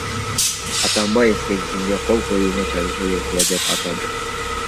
Атамбаев келишимге кол коюуну тарыхый окуя деп атады.